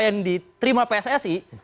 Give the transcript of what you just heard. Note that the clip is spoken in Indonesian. yang diterima pssi